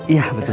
iya betul juga